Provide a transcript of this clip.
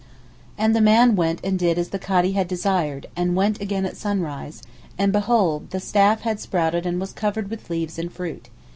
And the man went and did as the Kadee had desired, and went again at sunrise, and behold the staff had sprouted and was covered with leaves and fruit.